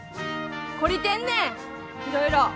懲りてんねんいろいろ。